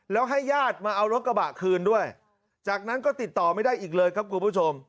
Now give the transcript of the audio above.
แล้วให้ญาติมาเอารถกระบะคืนด้วยจากนั้นก็ติดต่อไม่ได้อีกเลยครับคุณผู้ชม